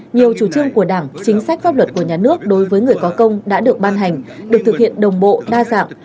nhiều chủ trương của đảng chính sách pháp luật của nhà nước đối với người có công đã được ban hành được thực hiện đồng bộ đa dạng